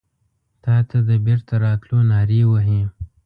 تاته د بیرته راتلو نارې وهې